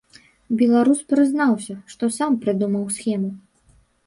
Беларус прызнаўся, што сам прыдумаў схему.